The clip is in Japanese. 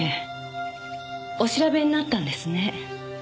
お調べになったんですね。